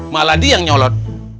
malah dia yang nyolot